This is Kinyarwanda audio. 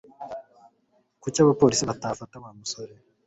Kuki abapolisi batafata Wa musore